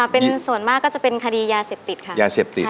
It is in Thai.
เป็นส่วนมากก็จะเป็นคดียาเสพติดค่ะ